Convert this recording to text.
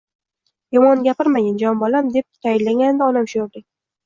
Yomon gapirmagin, jon bolam, deb tayinlagandi onam sho`rlik